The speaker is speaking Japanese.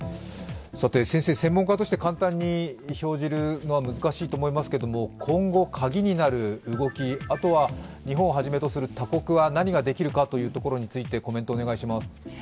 先生、専門家として簡単に評じるのは難しいとは思いますが今後、カギになる動き、あとは日本をはじめとする他国は何ができるかというところについて、お願いします。